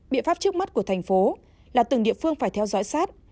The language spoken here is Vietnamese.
biện pháp trước mắt của thành phố là từng địa phương phải theo dõi sát